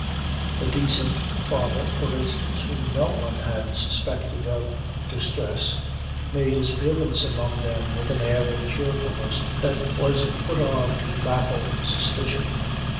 The decent farmer, for instance, whom no one had suspected of distress, made his appearance among them with an air of cheerfulness that was put on to baffle suspicion.